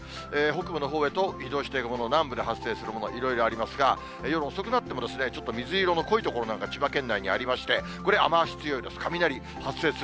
北部のほうへと移動して、南部で発生するもの、いろいろありますが、夜遅くなっても、ちょっと水色の濃い所なんか千葉県内にありまして、これ、雨足強いです。